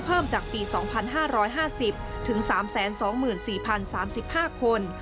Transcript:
เพิ่มจากปี๒๕๕๐ถึง๓๒๔๐๓๕คน